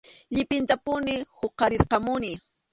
Llipintapuni huqarirqamuni.